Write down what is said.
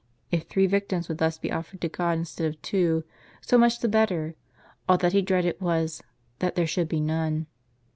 If three victims would thus be offered to God instead of two, so much the better; all that he dreaded was, that there should be none.